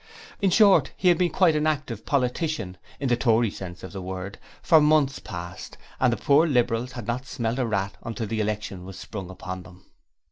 In short, he had been quite an active politician, in the Tory sense of the word, for months past and the poor Liberals had not smelt a rat until the election was sprung upon them.